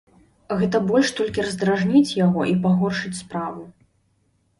Гэта больш толькі раздражніць яго і пагоршыць справу.